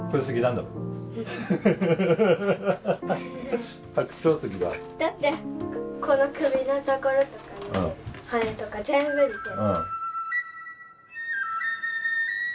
だってこの首のところとかね羽とか全部似てる。